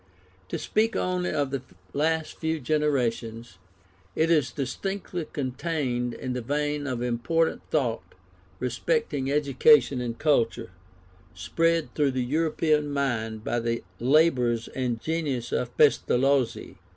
To speak only of the last few generations, it is distinctly contained in the vein of important thought respecting education and culture, spread through the European mind by the labours and genius of Pestalozzi.